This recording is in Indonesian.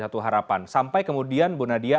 satu harapan sampai kemudian bu nadia